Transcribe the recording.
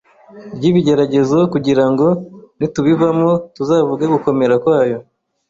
ry’ibigeragezo kugirango nitubivamo tuzavuge gukomera kwayo.